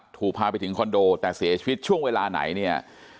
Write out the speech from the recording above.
ถูกพาไปถึงคอนโดแต่เสียชีวิตช่วงเวลาไหนเนี่ย